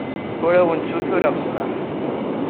Ur awent-ssutureɣ ssmaḥ.